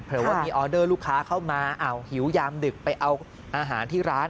ว่ามีออเดอร์ลูกค้าเข้ามาอ้าวหิวยามดึกไปเอาอาหารที่ร้าน